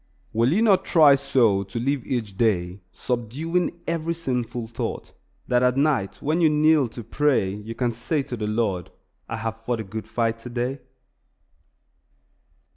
Will you not try so to live each day, subduing every sinful thought, that at night when you kneel to pray you can say to the Lord, "I have fought a good fight today"?